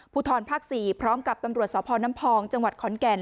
ทรภาค๔พร้อมกับตำรวจสพน้ำพองจังหวัดขอนแก่น